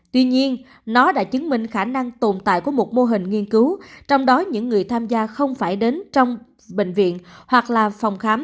tuy nhiên nó đã chứng minh khả năng tồn tại của một mô hình nghiên cứu trong đó những người tham gia không phải đến trong bệnh viện hoặc là phòng khám